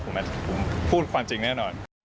ผมพูดความจริงแน่นอน